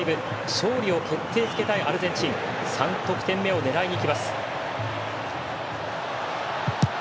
勝利を決定付けたいアルゼンチン３得点目を狙いにいきます。